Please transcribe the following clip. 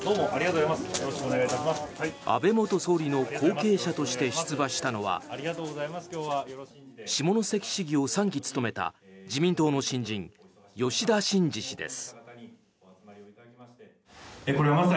安倍元総理の後継者として出馬したのは下関市議を３期務めた自民党の新人吉田真次氏です。